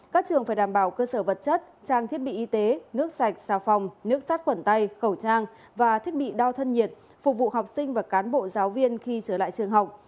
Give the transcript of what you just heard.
các trường phải đảm bảo cơ sở vật chất trang thiết bị y tế nước sạch xà phòng nước sát quẩn tay khẩu trang và thiết bị đo thân nhiệt phục vụ học sinh và cán bộ giáo viên khi trở lại trường học